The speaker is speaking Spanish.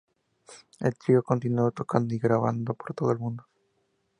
El trío continuó tocando y grabando por todo el mundo.